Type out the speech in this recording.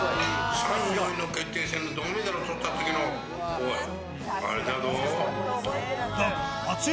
３位の決定戦の銅メダルとったときのあれだぞー。